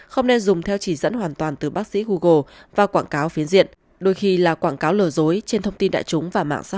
không nên dùng theo chỉ dẫn hoàn toàn từ bác sĩ google và quảng cáo phiến diện đôi khi là quảng cáo lời dối trên thông tin đại chúng và mạng xã hội